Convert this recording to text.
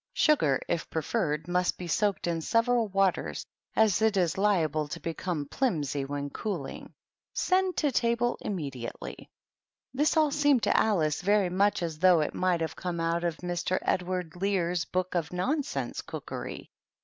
Sugar, if preferred, must be soaked in several waters, as it is liable to become plimsy when cooling. Send to table immediately.^^ This all seemed to Alice very much as though it might have come out of Mr. Edward Lear's book of Nonsense Cookery.